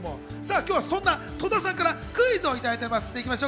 今日はそんな戸田さんからクイズをいただいています。